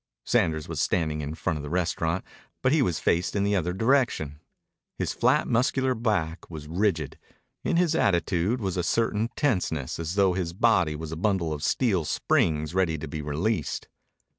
Sanders was standing in front of the restaurant, but he was faced in the other direction. His flat, muscular back was rigid. In his attitude was a certain tenseness, as though his body was a bundle of steel springs ready to be released.